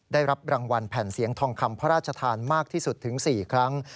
ได้รับรางวัลแผ่นเสียงทองคำพระราชทานมากที่สุดถึง๔ครั้ง